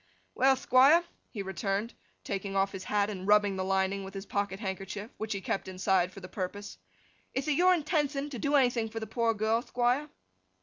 'Well, Thquire,' he returned, taking off his hat, and rubbing the lining with his pocket handkerchief, which he kept inside for the purpose. 'Ith it your intenthion to do anything for the poor girl, Thquire?